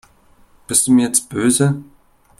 Bist du mir jetzt böse?